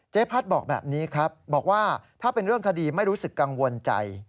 พัฒน์บอกแบบนี้ครับบอกว่าถ้าเป็นเรื่องคดีไม่รู้สึกกังวลใจ